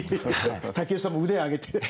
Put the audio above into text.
武井さんも腕上げてる。